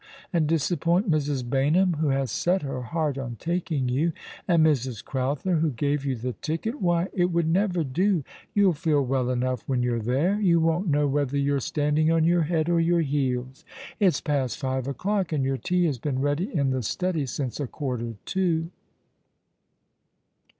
and disappoint Mrs. Baynhara, w^ho has set her heart on taking you ; and Mrs. Crowther, who gave you the ticket ! Why, it would never do ! You'll feel well enough when you're there. You won't know whether you're standing on your head or your heels. It's past five o'clock, and your tea has bean ready in the study since a quarter to."